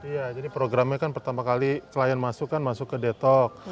iya jadi programnya kan pertama kali klien masuk kan masuk ke detok